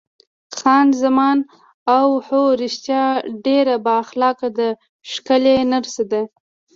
خان زمان: اوه هو، رښتیا ډېره با اخلاقه ده، ښکلې نرسه ده.